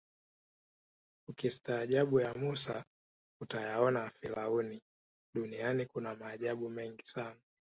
ukistaajabu ya Musa utayaona ya Firauni duniani kuna maajabu mengi sana